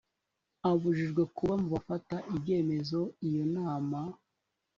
abujijwe kuba mu bafata ibyemezo iyo inama